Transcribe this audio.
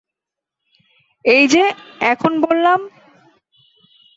এইযে, এখন বললাম।